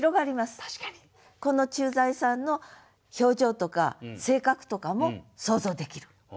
この駐在さんの表情とか性格とかも想像できる。